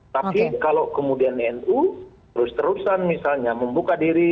tapi kalau kemudian nu terus terusan misalnya membuka diri